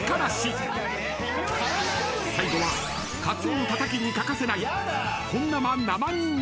［最後はカツオのたたきに欠かせない］